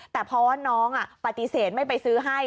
แต่เผาเหาะน้องอ่ะปฏิเสธไม่ไปซื้อให้